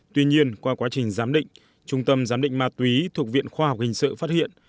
tuy nhiên qua quá trình giám định trung tâm giám định ma túy thuộc viện khoa học hình sự phát hiện